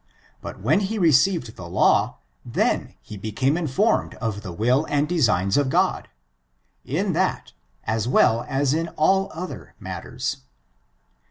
Bat when he received the law, then he became informed of die will and designs of God, in that, as well as iu all other matters.